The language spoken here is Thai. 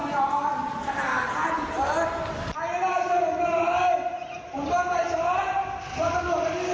มีการเคยทำทุกสินตำรวจขึ้นขึ้นข้อมูลเข้าซำมุดกองคุม